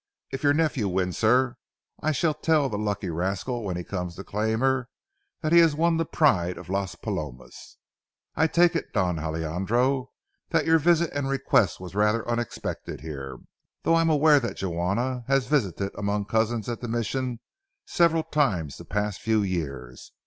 If your nephew wins her, I shall tell the lucky rascal when he comes to claim her that he has won the pride of Las Palomas. I take it, Don Alejandro, that your visit and request was rather unexpected here, though I am aware that Juana has visited among cousins at the Mission several times the past few years.